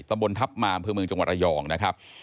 ตำบลทัพมาอำเภอเมืองจังหวัดระยองนะครับ